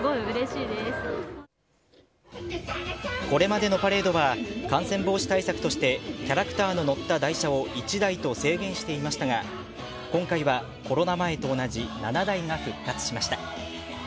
これまでのパレードは感染防止対策としてキャラクターの乗った台車を１台と制限していましたが今回は、コロナ前と同じ７台が復活しました。